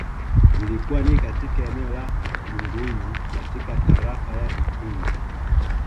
Ilikuwa ni katika eneo la Dungunyi katika tarafa ya Ikungi